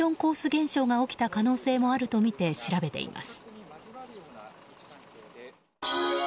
現象が起きた可能性もあるとみて調べています。